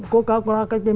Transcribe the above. coca cola cách đây